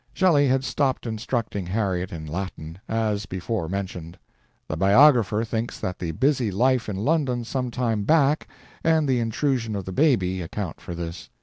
Shelley had stopped instructing Harriet in Latin, as before mentioned. The biographer thinks that the busy life in London some time back, and the intrusion of the baby, account for this.